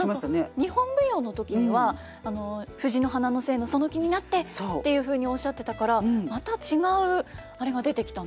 何か日本舞踊の時には藤の花の精のその気になってっていうふうにおっしゃってたからまた違うあれが出てきたんだなというふうに。